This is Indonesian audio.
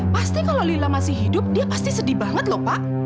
pasti kalau lila masih hidup dia pasti sedih banget loh pak